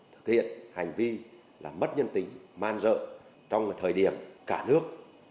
thực hiện hành vi là mất nhân tính man rợ trong thời điểm cả nước